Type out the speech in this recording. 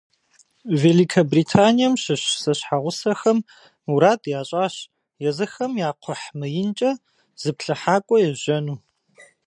Великобританием щыщ зэщхьэгъусэхэм мурад ящӏащ езыхэм я кхъухь мыинкӏэ зыплъыхьакӏуэ ежьэну.